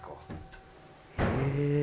へえ。